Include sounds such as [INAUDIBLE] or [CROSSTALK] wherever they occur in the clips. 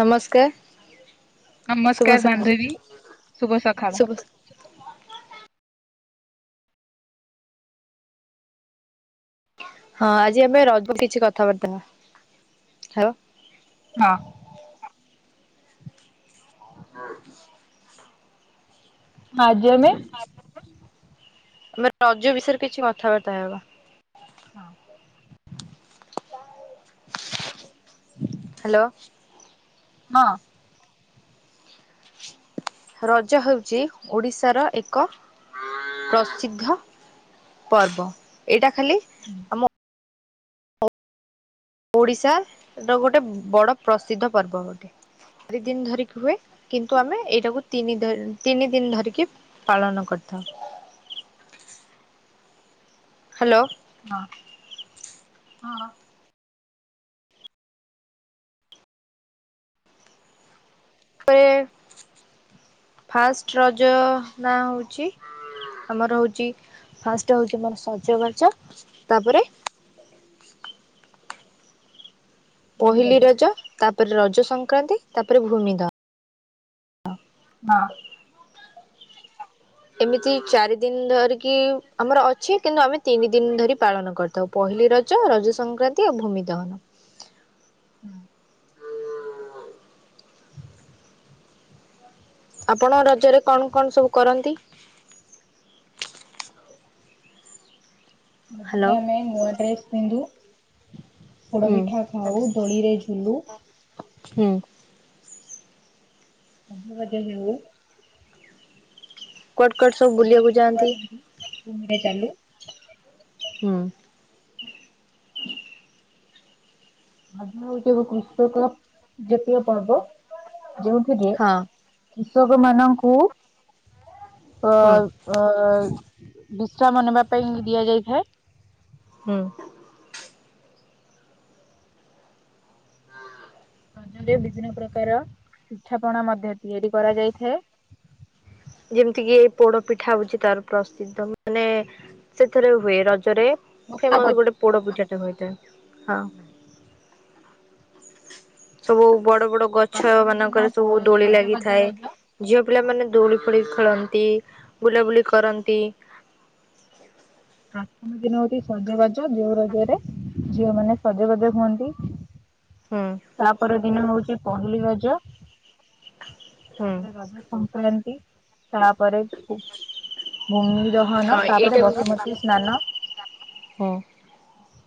ନମସ୍କାର। ଶୁଭ ନମସ୍କାର ସକାଳ ବାନ୍ଧବୀ, ଶୁଭ ସଖାଳ। ଶୁଭ ହଁ ଆଜି ଆମେ ରଜ କିଛି କଥାବାର୍ତ୍ତା ହବା ହବା। ହଁ। ଆ [INAUDIBLE] ଆଜି ଆମେ ମାନେ ରଜ ବିଷୟରେ କିଛି କଥାବାର୍ତ୍ତା ହେବା। ହଁ। ହାଲୋ। ହଁ। ରଜ ହେଉଛି ଓଡ଼ିଶାର ଏକ ପ୍ରସିଦ୍ଧ। ପର୍ବ, ଏଇଟା ଖାଲି ହୁଁ। ଆମ ଓଡ଼ିଶା ର ଗୋଟେ ବଡ଼ ପ୍ରସିଦ୍ଧ ପର୍ବ ଗୋଟେ। ଚାରି ଦିନ ଧରିକି ହୁଏ, କିନ୍ତୁ ଆମେ ଏଇଟାକୁ ତିନି ତିନି ଦିନ ଧରିକି। ପାଳନ କରିଥାଉ। ହାଲୋ। ହଁ, ହଁ। ହୁଏ, ଫାଷ୍ଟ ରଜ ନାଁ ହଉଛି। ଆମର ହଉଛି ଫାଷ୍ଟେ ହଉଛି ଆମର ସଜବାଜ, ତାପରେ। ମିଳି ପହିଲି ବଜାର ରଜ, ତାପରେ ରଜ ସଂକ୍ରାନ୍ତି, ତାପରେ ଭୂମି ଦହ ହଁ। ଏମିତି ଚାରି ଦିନ ଧରିକି ଆମର ଅଛି, କିନ୍ତୁ ଆମେ ତିନି ଦିନ ଧରି ପାଳନ କରୁ। ତ ପହିଲି ରଜ, ରଜ ସଂକ୍ରାନ୍ତି ଆଉ ଭୂମି ଦହନ। ହୁଁ। ଆପଣ ରଜରେ କଣ କଣ ସବୁ କରନ୍ତି? ହ୍ୟାଲୋ ରଜ ରେ ନୂଆ ଡ୍ରେସ ପିନ୍ଧୁ। ପୋଡ଼ ହୁଁ ପିଠା ଖାଉ, ଦୋଳିରେ ଝୁଲୁ। ହୁଁ। ସଜ ବାଜ ହେଉ। କୁଆଡେ କୁଆଡେ ସବୁ ବୁଲିବାକୁ ଯାଆନ୍ତି। ଭୁମିରେ ଚାଲୁ। ହୁଁ। ଆଗୁରୁ ଯେବେ କୃଷକ ଜାତୀୟ ପର୍ବ ଯେଉଁଥିରେ। ହଁ କୃଷକ ମାନଙ୍କୁ ଅ‌ ହୁଁ ଅ ବିଶ୍ରାମ ନେବା ପାଇଁ ଦିଆ ଯାଇ‌ ଥାଏ। ହୁଁ। ରଜରେ ବିଭିନ୍ନ ପ୍ରକାର ପିଠାପଣା ମଧ୍ୟ ତିଆରି କରାଯାଇ ଥାଏ। ଯେମିତିକିି ଏଇ ପୋଡପିଠା ହଉଚି ତାର ପ୍ରସିଦ୍ଧ ମାନେ ସେଥିରେ ହୁଏ। ରଜରେ ଫେମସ୍ ଗୋଟେ ପୋଡ଼ ପିଠାଟେ ହୋଇଥାଏ ହଁ। ସବୁ ବଡ ବଡ ଗଛ ମାନଙ୍କରେ ସବୁ ଦୋଳି ଲାଗିଥାଏ। ଝିଅ ପିଲାମାନେ ଦୋଳି ଫୋଳି ଖେଳନ୍ତି ବୁଲାବୁଲି କରନ୍ତି। ପ୍ରଥମ ଦିନ ହଉଛି ସଜବାଜ ଯୋଉ ରଜରେ। ଝିଅମାନେ ସଜବାଜ ହୁଅନ୍ତି। ହୁଁ। ତା'ପର ଦିନ ହଉଚି ପହିଲି ରଜ। ହୁଁ ତା'ପରେ ରଜ ସଂକ୍ରାନ୍ତି। ତା'ପରେ ଭୂମି ଦହନ, ହଁ ଏଇଟା ତା'ପରେ ବି ବସୁମ ସ୍ନାନ। ହୁଁ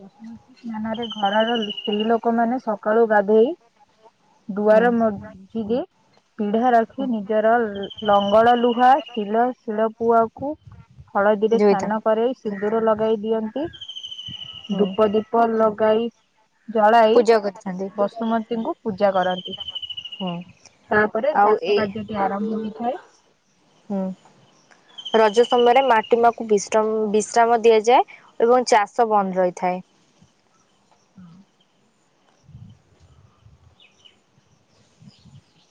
ସୁମତୀ ସ୍ନାନରେ ଘରର ସ୍ତ୍ରୀ ଲୋକମାନେ ସକାଳୁ ଗାଧେଇ। ହୁଁ [UNINTELLIGIBLE] ପିଢ଼ା ହୁଁ ରଖି, ନିଜର--ଲଙ୍ଗଳ, ଲୁହା, ଶିଲ ଶିଳପୁଆକୁ ହଳଦୀ ରେ ସ୍ନାନ ଜୋଇଥାନ୍ତି କରେଇ ସିନ୍ଦୁର ଲଗାଇ ଦିଅନ୍ତି। ହୁଁ ଦୂପ, ଦୀପ ଲଗାଇ ଜଳାଇ, ପୂଜା କରିଥାନ୍ତି ବସୁମତୀଙ୍କୁ ପୂଜା କରନ୍ତି, ହୁଁ ତା'ପରେ ଆଉ ଚାଷ ଏଇ କାର୍ଯ୍ୟଟି ଆରମ୍ଭ ହେଇଥାଏ। ରଜ ସମ--ରେ ମାଟି ମାକୁ ବିଶ୍ରମ୍ ବିଶ୍ରାମ ଦିଆଯାଏ। ଏବଂ ଚାଷ ହଁ। ବନ୍ଦ୍ ରଇଥାଏ।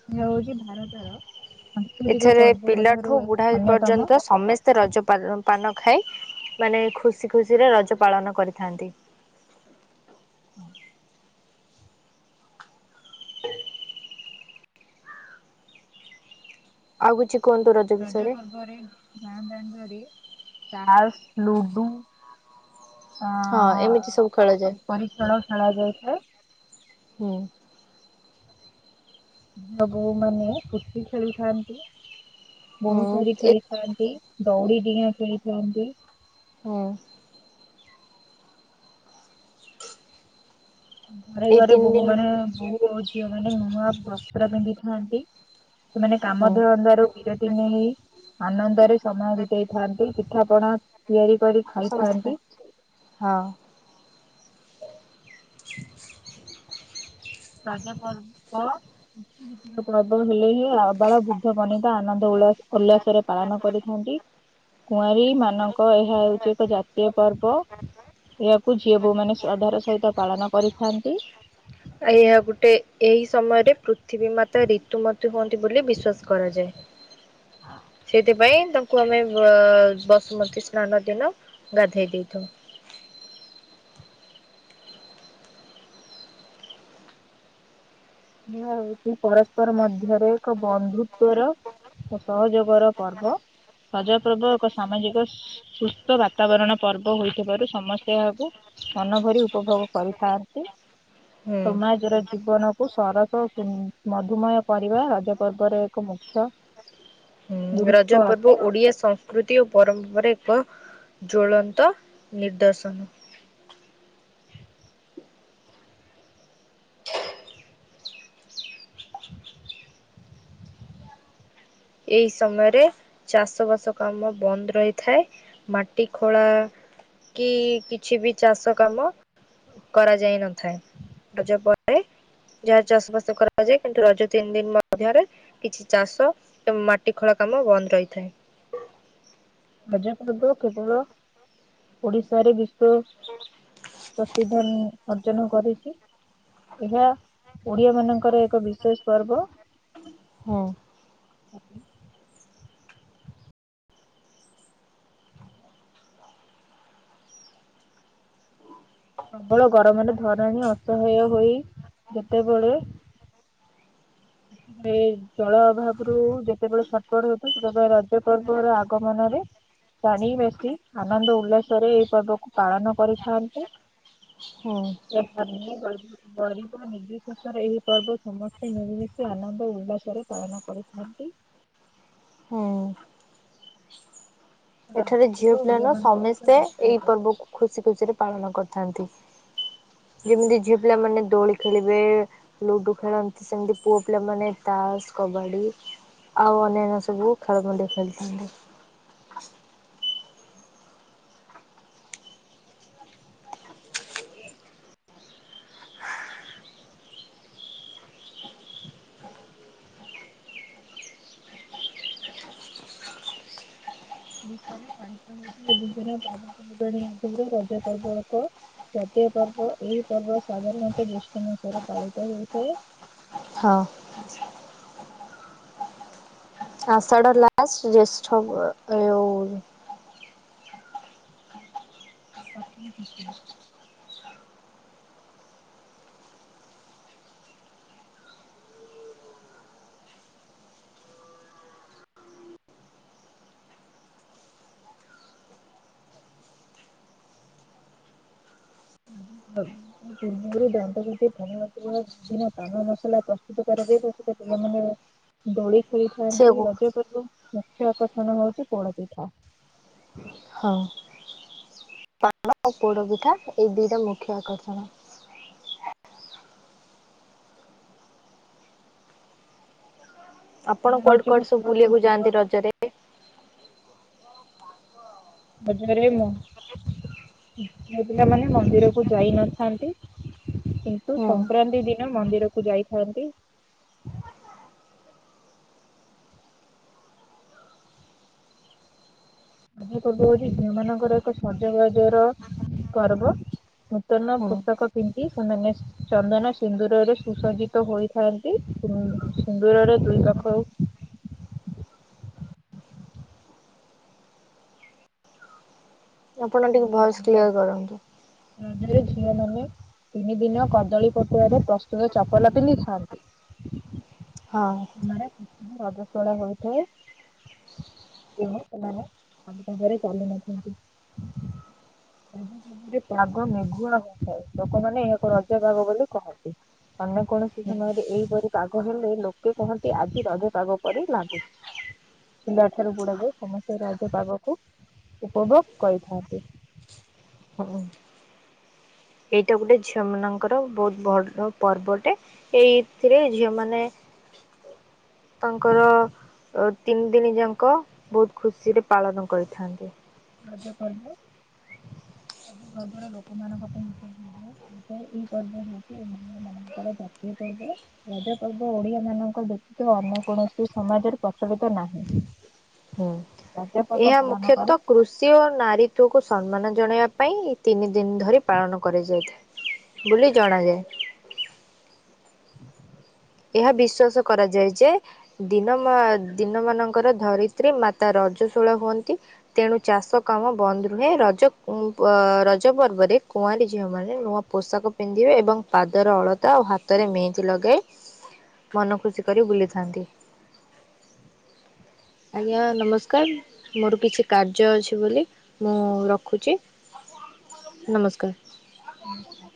[INAUDIBLE] ସାଂସ୍କୃତିକ ଏଠାରେ ପର୍ବ ମଧ୍ୟରୁ ପିଲାଠୁ ଅନ୍ୟତମ ବୁଢ଼ା--ପର୍ଯ୍ୟନ୍ତ ସମେ ସେ ରଜ ପା---ପାନ ଖାଇ, ମାନେ ଖୁସି ଖୁସିରେ ରଜ ପାଳନ କରିଥାନ୍ତି। ଆଉ କିଛି କୁହନ୍ତୁ? ର [UNINTELLIGIBLE] ହଁ, ଏମିତି ସବୁ ଖେ ଯାଏ। ଖେ ଖେଳା ଯାଇଥାଏ। ହୁଁ। ଝିଅ, ମାନେ ପୁଚି ଖେଳିଥାନ୍ତି, ବୋହୂ ହୁଁ ଚୋରି ଏ ଖେଳି ଥାନ୍ତି। ଦଉଡ଼ି ଡ଼ିଆଁ ଖେଳିଥାନ୍ତି। ହଁ! ଘରେ ଏଇ ଘରେ ତିନି ବହୂ ଦିନ ମାନେ-----ଝିଅ ମାନେ ନୂଆ ବସ୍ତ୍ର ପିନ୍ଧିଥାନ୍ତି। ସେମାନେ କାମ ହୁଁ ଧନ୍ଦାରୁ ବିରତି ନେଇ। ଆନନ୍ଦରେ ସମୟ ବିତେଇ ଥାନ୍ତି, ପିଠା ପଣା ତିଆରି କରି। ଖାଇଥାନ୍ତି [UNINTELLIGIBLE] [UNINTELLIGIBLE] [INAUDIBLE] ଓଲ୍ଲାସ ରେ ପାଳନ କରିଥାନ୍ତି। କୁଆଁରୀ ମାନଙ୍କ ଏହା ହେଉଛି ଏକ ଜାତୀୟ ପର୍ବ। ଏ--କୁ ଝିଅ, ବହୂ ମାନେ ଶ୍ରଦ୍ଧାର ସ--ତ ପାଳନ କରିଥାନ୍ତି। [INAUDIBLE] ଥିବୀ ମାତା ରିତୁମତୀ ହୁଅନ୍ତି ବୋଲି ବିଶ୍ଵାସ୍ କରାଯାଏ। ସେଇଥି ପାଇଁ ଆମେ ବସୁମତୀ ସ୍ନାନ ଦିନ, ଗାଧେଇ ଦେଇ ଥାଉ। ଇ ହଉଚି ପରସ୍ପର ମଧ୍ୟରେ ଏକ ବନ୍ଧୁତ୍ଵର ସହଯୋଗର ପର୍ବ। ରଜପର୍ବ ଏକ ସାମାଜିକ ସୁସ୍ଥ ବାତାବରଣ ପର୍ବ ହୋଇଥିବାରୁ, ସମସ୍ତେ ଏହାକୁ ମନ ଭରି ଉପଭୋଗ କରିଥାନ୍ତି। ହୁଁ। ସମାଜ ଜୀବନ ସର ମଧୁମୟ କରିବା, ରଜ ପର୍ବର ଏକ ମୁଖ୍ୟ ରଜ ଗୁରୁତ୍ୱ ପର୍ବ ଅଟେ ଓଡ଼ିଆ ସ କୃତି ଓ ପରମ୍ ଜ୍ଵଳନ୍ତ ନିଦର୍ଶନ। ଏଇ ସମୟରେ ଚାଷ ବାସ କାମ ବନ୍ଦ୍ ରହିଥାଏ। ମାଟି ଖୋଳା, କି କିଛି ବି ଚାଷ କାମ। [UNINTELLIGIBLE] ଯାହା ଚାଷ ବାସ କରାଯାଏ। କିନ୍ତୁ ରଜ ତିନ୍‌ ଦିନ୍‌ ମଧ୍ୟରେ କିଛି ଚାଷ ମାଟି ଖୋଳା କାମ ବନ୍ଦ୍ ରହିଥାଏ। ରଜ ପର୍ବ କେବଳ ଓଡିଶାରେ ବିଶ୍ଵ ପ୍ରସିଦ୍ଧନି ଅଟେ ଅର୍ଜନ କରିଛି, ଏହା ଓଡିଆ ମାନଙ୍କର ଏକ ବିଶେଷ ପର୍ବ। ହଁ। [UNINTELLIGIBLE] ପ୍ରବଳ ଗରମରେ ଧରଣୀ ଅସହାୟ ହୋଇ ଯେତେବେଳେ ଜଳ ଅଭାବରୁ ଯେତେବେଳେ ସଟପଟ ହଉଛି ସେତେବେଳେ ରଜ ପର୍ବର ଆଗମନରେ ଜାଣି ବେଶୀ ଆନନ୍ଦ ଉଲ୍ଲାସରେ ଏଇ ପର୍ବକୁ ପାଳନ କରିଥାନ୍ତି। ହୁଁ। [UNINTELLIGIBLE] ଗରିବ ନିର୍ବିଶେଷରେ ଏହି ପର୍ବ ସମସ୍ତେ ମିଳିମିଶି ଆନନ୍ଦ ଉଲ୍ଲାସରେ ପାଳନ କରୁଥାନ୍ତି। ହଁ। ରଜ ଏଠାରେ ପର୍ବ ଝିଅ ଓଡିଆ ପିଲାନୁହେଁ ମାନଙ୍କର ଏକ ସମସ୍ତେ ଜାତୀୟ ଏଇ ପର୍ବ ପର୍ବକୁ ଖୁସି ଖୁସିରେ ପାଳନ କରିଥାନ୍ତି। ଯେମିତି ଝିଅ ପିଲାମାନେ ଦୋଳି ଖେଳିବେ ଲୁଡୁ ଖେଳନ୍ତି, ସେମିତି ପୁଅ ପିଲାମାନେ ତାସ, କବାଡ଼ି ଆଉ ଅନ୍ୟାନ୍ୟ ସବୁ ଖେଳମଣ୍ଡ ଖେଳିଥାନ୍ତି। ଦେଶରେ ପାଳିତ ହୋଉଥିବା [UNINTELLIGIBLE] ରଜ ପର୍ବ ଏକ ଜାତୀୟ ପର୍ବ ଏହି ପର୍ବ ସାଧାରଣତଃ ଜେଷ୍ଟ ମାସରେ ପାଳିତ ହେଉଥାଏ। ହଁ। ଆଷାଢ଼ ଲାଷ୍ଟ ଜ୍ୟେଷ୍ଠ ଏ ଓ ଉ। ପ୍ରଥମ [UNINTELLIGIBLE] [UNINTELLIGIBLE] ବିଭିନ ପାନ ମସଲା ପ୍ରସ୍ତୁତ କରାଯାଏ, ତ ସେତ ପିଲାମାନେ ଦୋଳି ଖେଳି ଏମତି ସେଉ ରଜପର୍ବର ମୁଖ୍ୟ ଆକର୍ଷଣ ହଉଛି ପୋଡ଼ପିଠା। ହଁ ପାନ ଆଉ ପୋଡ ପିଠା ଏଇ ଦିଇଟା ମୁଖ୍ୟ ଆକର୍ଷଣ। ଆପଣ ଏହା କୁଆଡେ ହଉଛି ଏକ କୁଆଡେ ସବୁ କୃଷି ବୁଲିବାକୁ ଭିତ୍ତିକ ଯାଆନ୍ତି ରଜରେ। ରଜରେ ମୋ ପିଲାମାନେ ମନ୍ଦିରକୁ ଯାଇ ନଥାନ୍ତି। କିନ୍ତୁ ହୁଁ ସଂକ୍ରାନ୍ତି ଦିନ ମନ୍ଦିରକୁୁ ଯାଇଥାନ୍ତି। ରଜ ପର୍ବ ହଉଛି ଝିଅ ମାନଙ୍କର ଏକ ସଜବାଜର ପର୍ବ। ନୂତନ ହୁଁ ପୋଷାକ ପିନ୍ଧି ସେମାନେ ଚନ୍ଦନ ସିନ୍ଦୁରରେ ସୁସଜ୍ଜିତ ହୋଇଥାନ୍ତି, ସିନ୍ଦୁରରେ ଦୁଇ ପାଖରୁ ଆପଣ ଟିକେ ଭଏସ କ୍ଲିୟର କରନ୍ତୁ [UNINTELLIGIBLE] ରଜରେ ଝିଅ ମାନେ ତିନି ଦିନ କଦଳୀ ପଟୁଆରେ ପ୍ରସ୍ତୁତ ଚପଲ ପିନ୍ଧିଥାନ୍ତି। ହଁ। ଆ [UNINTELLIGIBLE] ରଜସ୍ୱୋଲା ହୋଇଥାଏ। ତେଣୁ ସେମାନେ ଖାଲି ପାଦରେ ଚାଲି ନଥାନ୍ତି। ରଜ ପର୍ବ ରେ ପାଗ ମେଘୁଆ ହୋଇଥାଏ ଲୋକମାନେ ଏହାକୁ ରଜ ପାଗ ବୋଲି କହନ୍ତି। ଅନ୍ୟ କୌଣସି ସମୟରେ ଏଇପରି ପାଗ ହେଲେ ଲୋ କେ କହନ୍ତି ଆଜି ରଜ ପାଗ ପରି ଲାଗୁଚି। ପିଲା ଠାରୁ ବୁଢ଼ା ଯାଏ ସମସ୍ତେ ରଜ ପାଗକୁ ଉପଭୋଗ କରିଥାନ୍ତି। ହୁଁ ଏଇଟା ଗୋଟେ ଝିଅ ମାନଙ୍କର ବହୁତ ବଡ଼ ପର୍ବଟେ। ଏଇଥିରେ ଝିଅ ମାନେ ତାଙ୍କର ଓ ତିନି ଦିନ ଯାଙ୍କ ବହୁତ ଖୁସିରେ ପାଳନ କରିଥାନ୍ତି। ରଜ ପର୍ବ ସବୁ ବର୍ଗ ର ଲୋକମାନଙ୍କ ପାଇଁ ଏଇ ପର୍ବ ହଉଛି ଓଡିଆ ମାନଙ୍କର ଜାତୀୟ ପର୍ବ। ରଜ ପର୍ବ ଓଡିଆ ମାନଙ୍କ ବ୍ୟତିତ ଅନ୍ୟ କୌଣସି ସମାଜରେ ପ୍ରଚଳିତ ନାହିଁ। ହୁଁ, ରଜ ପର୍ବ ଏହା ପାଳନ କରି ମୁଖ୍ୟତଃ କୃଷ ସି ଓ ନାରୀତ୍ଵକୁ ସମ୍ମାନ ଜଣେଇବା ପାଇଁ ତିନି ଦିନ ଧରି ପାଳନ କରାଯାଇଥାଏ। ବୋଲି ଜଣା ଯାଏ। ଏହା ବିଶ୍ଵାସ କରାଯାଏ ଯେ ଦିନ ମା‌ ଦିନ ମାନଙ୍କରେ ଧରିତ୍ରୀ ମାତା ରଜଶୋଳା ହୁଅନ୍ତି। ତେଣୁ ଚାଷ କାମ ବନ୍ଦ ରୁହେ ରଜ ଉଁ ଅ ରଜ ପର୍ବରେ କୁଆଁରୀ ଝିଅ ମାନେ ନୂଆ ପୋଷାକ ପିନ୍ଧିବେ ଏବଂ ପାଦରେ ଅଳତା ଓ ହାତରେ ମେହେନ୍ଦି ଲଗେଇ ମନ ଖୁସି କରି ବୁଲିଥାନ୍ତି। ଆଜ୍ଞା ନମସ୍କାର। ମୋର କିଛି କାର୍ଯ୍ୟ ଅଛି ବୋଲି ମୁଁ ରଖୁଚି ନମସ୍କାର। ହଁ ହ।